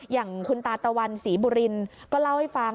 อย่างคุณตาตะวันศรีบุรินก็เล่าให้ฟัง